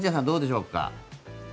どうでしょうか。